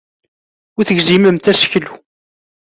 Ur tegzimemt aseklu.